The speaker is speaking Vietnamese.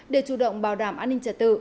để chủ động bảo đảm an ninh trật tự